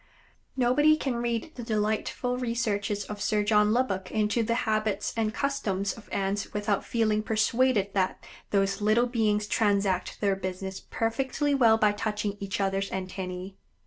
Nobody can read the delightful researches of Sir John Lubbock into the habits and customs of Ants without feeling persuaded that those little beings transact their business perfectly well by touching each other's antennæ.